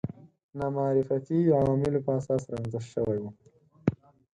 نامعرفتي عواملو پر اساس رامنځته شوي وو